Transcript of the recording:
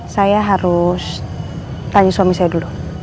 saya harus tanya suami saya dulu